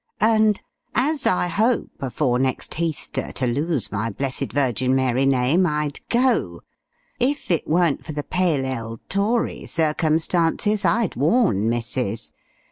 And, "as I hope, afore next Heaster, to lose my blessed Virgin Mary name, I'd go if it wer'n't for the pale ale tory circumstances, I'd warn Missus!